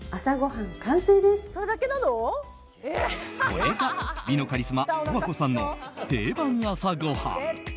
これが美のカリスマ十和子さんの、定番朝ごはん。